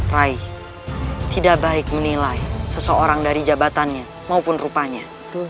raih tidak baik menilai seseorang dari jabatannya maupun rupanya